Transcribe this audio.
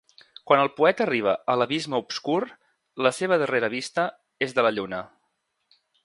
Quan el poeta arriba a "l'abisme obscur", la seva darrera vista és de la lluna.